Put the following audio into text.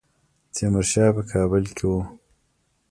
تیمورشاه په کابل کې وو.